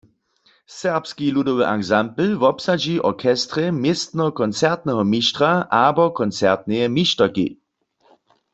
Serbski ludowy ansambl wobsadźi w orchestrje městno koncertneho mištra abo koncertneje mišterki.